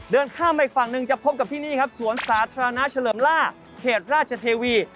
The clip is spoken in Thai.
เดินข้ามไปอีกฝั่งหนึ่งจะพบกับที่นี่ครับสวนสาธารณะเฉลิมล่าเขตราชเทวี